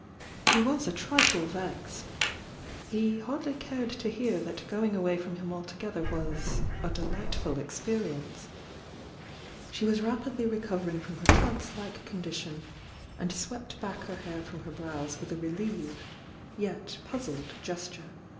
He was a trifle vexed. He hardly cared to hear that going away from him altogether was "a de lightful experience." She was rapidly recovering from her trance like condition, and swept back her hair from her brows with a relieved, yet puzzled gesture.